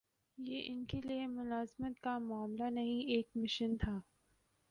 یہ ان کے لیے ملازمت کا معاملہ نہیں، ایک مشن تھا۔